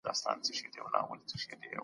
هغوی د خپلو غاښونو په پاک ساتلو اخته دي.